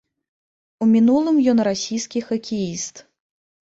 У мінулым ён расійскі хакеіст.